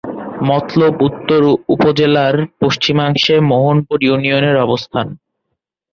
মতলব উত্তর উপজেলার পশ্চিমাংশে মোহনপুর ইউনিয়নের অবস্থান।